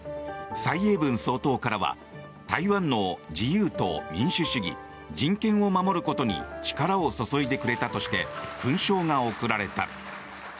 蔡英文総統からは台湾の自由と民主主義人権を守ることに力を注いでくれたとして勲章が贈られた。